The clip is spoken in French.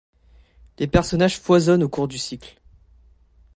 Les personnages foisonnent au cours du cycle.